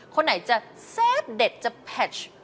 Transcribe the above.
คนไหนจะเซฟเด็ดจะแพทช์